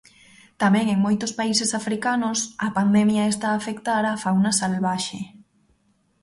Tamén en moitos países africanos, a pandemia está a afectar a fauna salvaxe.